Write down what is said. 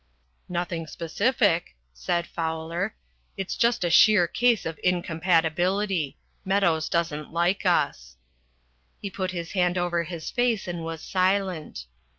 "Nothing specific," said Fowler. "It's just a sheer case of incompatibility. Meadows doesn't like us." He put his hand over his face and was silent.